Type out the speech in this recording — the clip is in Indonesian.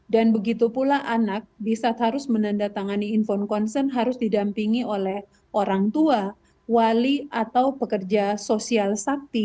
dan begitu pula anak bisa harus menandatangani info konsen harus didampingi oleh orang tua wali atau pekerja sosial sakti